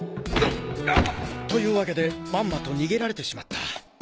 うっ！というわけでまんまと逃げられてしまった。